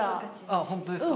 あっ本当ですか？